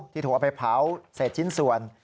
ที่ถูกเอาไปเผาเสร็จชิ้นส่วน